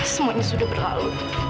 semuanya sudah berlalu